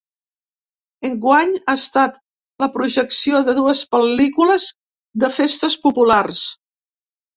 Enguany ha estat la projecció de dues pel·lícules de festes populars.